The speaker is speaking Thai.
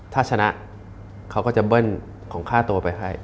ถ้าชนะเขาก็จะเบิ้ลของค่าตัวไปให้